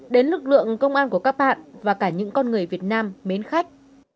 đến lực lượng công an của các bạn và cả những con người việt nam mến khách